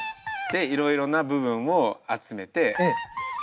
でいろいろな部分を集めて。